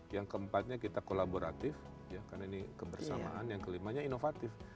yang keempatnya kita kolaboratif karena ini kebersamaan yang kelimanya inovatif